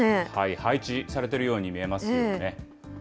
配置されているように見えますよね。